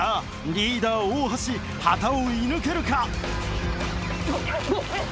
リーダー大橋旗を射抜けるか？